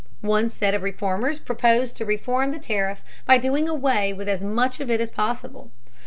One set of reformers proposed to reform the tariff by doing away with as much of it as possible.